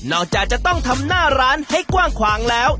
จากจะต้องทำหน้าร้านให้กว้างขวางแล้ว